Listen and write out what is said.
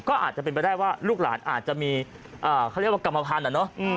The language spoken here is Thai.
ก็อาจจะเป็นไปได้ว่าลูกหลานอาจจะมีเขาเรียกว่ากรรมพันธุ์